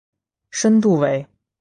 深度为。